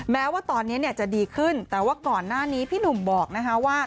แม้ว่าตอนนี้เนี่ยจะดีขึ้นแต่ว่าก่อนหน้านี้พี่หนุ่มบอกนะคะว่า